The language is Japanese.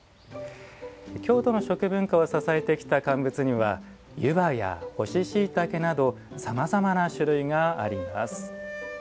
京都の食文化を支えてきた乾物には湯葉や干ししいたけなどさまざまな種類があります。